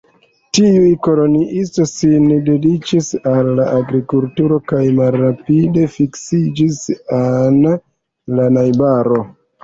Tiuj koloniistoj sin dediĉis al la agrikulturo kaj malrapide fiksiĝis en la najbaro.